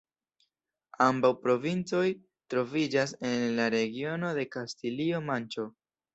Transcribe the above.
Ambaŭ provincoj troviĝas en la regiono de Kastilio-Manĉo.